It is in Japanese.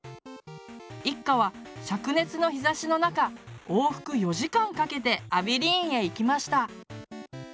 一家はしゃく熱の日ざしの中往復４時間かけてアビリーンへ行きました。